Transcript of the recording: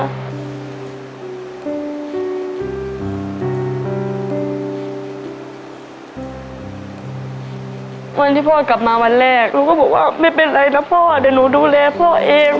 วันที่พ่อกลับมาวันแรกหนูก็บอกว่าไม่เป็นไรแล้วพ่อเดี๋ยวหนูดูแลพ่อเอง